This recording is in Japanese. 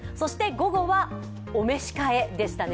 午後はお召し変えでしたね。